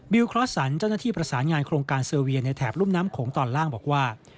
คลอสสันเจ้าหน้าที่ประสานงานโครงการเซอร์เวียในแถบรุ่มน้ำโขงตอนล่างบอกว่า